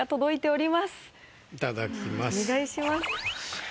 お願いします。